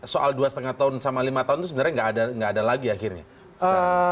soal dua lima tahun sama lima tahun itu sebenarnya nggak ada lagi akhirnya sekarang